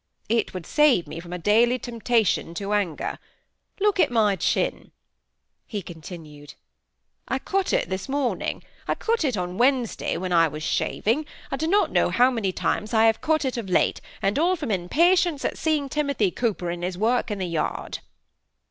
"It would save me from a daily temptation to anger. Look at my chin!" he continued; "I cut it this morning—I cut it on Wednesday when I was shaving; I do not know how many times I have cut it of late, and all from impatience at seeing Timothy Cooper at his work in the yard."